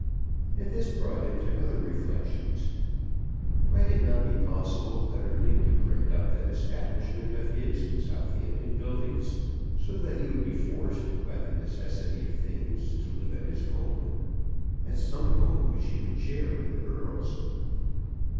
And this brought him to other reflections. Might it not be possible utterly to break up that establishment of his in Southampton Buildings, so that he would be forced by the necessity of things to live at his home, at some home which he would share with the girls?